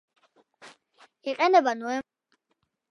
იყინება ნოემბრიდან მაისამდე.